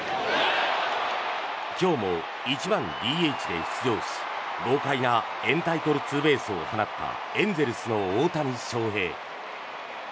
今日も１番ＤＨで出場し豪快なエンタイトルツーベースを放ったエンゼルスの大谷翔平。